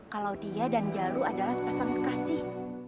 kalau dia dan jalu adalah sepasang kekasih